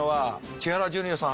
千原ジュニアさん